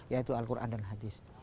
yaitu al quran dan hadis